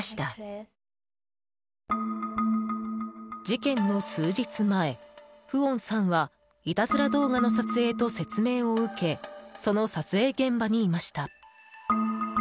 事件の数日前、フオンさんはいたずら動画の撮影と説明を受けその撮影現場にいました。